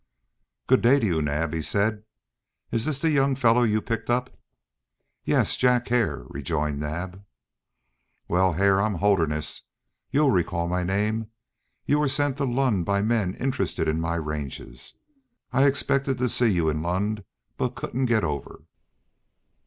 "Good day to you, Naab," he said. "Is this the young fellow you picked up?" "Yes. Jack Hare," rejoined Naab. "Well, Hare, I'm Holderness. You'll recall my name. You were sent to Lund by men interested in my ranges. I expected to see you in Lund, but couldn't get over."